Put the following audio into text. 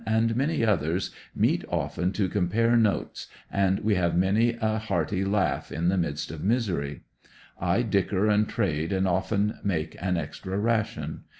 and many others, meet often to compare notes, and we have many a hearty laugh in the midst of misery I dicker and trade and often make an extra ration.